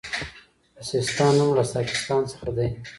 د سیستان نوم له ساکستان څخه دی